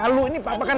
aduh ini malu